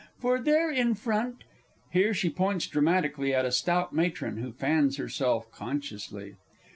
For there in front [_Here she points dramatically at a stout matron, who fans herself consciously.